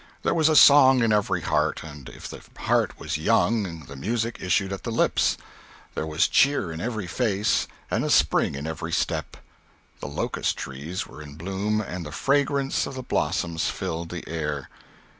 There was a song in every heart; and if the heart was young the music issued at the lips. There was cheer in every face and a spring in every step. The locust trees were in bloom and the fragrance of the blossoms filled the air.